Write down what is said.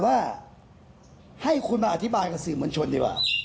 ว่าให้คุณมาอธิบายกับสื่อมวลชนดีกว่า